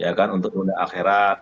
ya kan untuk akhirat